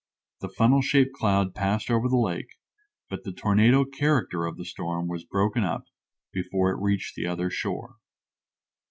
The funnel shaped cloud passed over the lake, but the tornado character of the storm was broken up before it reached the other shore.